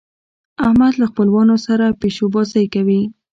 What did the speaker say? احمد له خپلوانو سره پيشو بازۍ کوي.